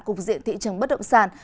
cục diện thị trường bất động sản